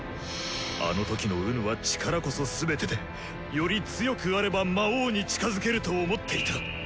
あの時の己は力こそ全てでより強くあれば魔王に近づけると思っていた。